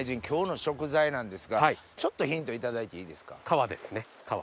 今日の食材なんですがちょっとヒント頂いていいですか？